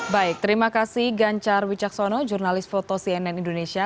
baik terima kasih ganjar wijaksono jurnalis foto cnn indonesia